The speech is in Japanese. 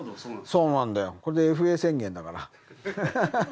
そうなんだよ、これでＦＡ宣言だから。